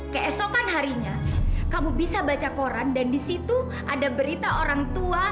keesokan harinya kamu bisa baca koran dan disitu ada berita orang tua